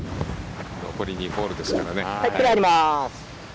残り２ホールですからね。